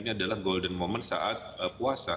ini adalah golden moment saat puasa